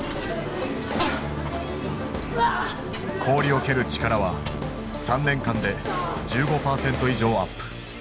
氷を蹴る力は３年間で１５％以上アップ。